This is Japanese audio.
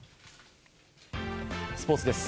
スポーツです。